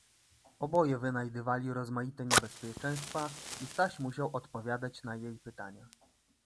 Oboje wynajdywali rozmaite niebezpieczeństwa i Staś musiał odpowiadać na jej pytania.